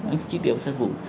anh chị tiếp sắt phụt